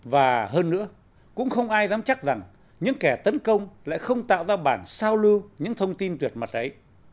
và hơn nữa cũng không ai dám chắc rằng những kẻ tấn công lại không tạo ra bản sao lưu những thông tin tuyệt mật ấy